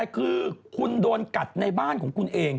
คือคุณโดนกัดในบ้านของคุณเอง